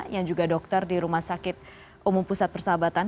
yang juga dokter di rumah sakit umum pusat persahabatan